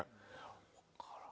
分からん。